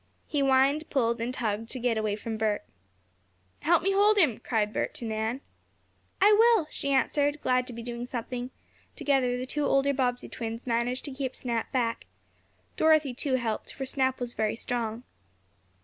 He whined, pulled and tugged to get away from Bert. "Help me hold him!" cried Bert to Nan. "I will!" she answered, glad to be doing something. Together the two older Bobbsey twins managed to keep Snap back. Dorothy, too, helped, for Snap was very strong.